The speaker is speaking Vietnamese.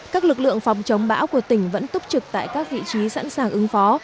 các lực lượng phòng chống bão của tỉnh vẫn túc trực tại các vị trí sẵn sàng ứng phó